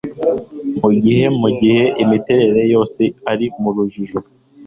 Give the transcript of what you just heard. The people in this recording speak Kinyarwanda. mugihe mugihe imiterere yose ari urujijo